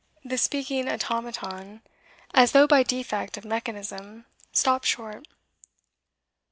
The speaking automaton, as though by defect of mechanism, stopped short.